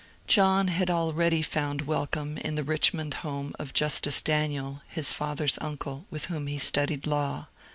John had already found welcome in the Richmond home of Justice Daniel, his father's uncle, with whom he studied law.